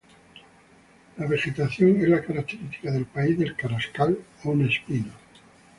La vegetación es la característica del país del carrascal on espino.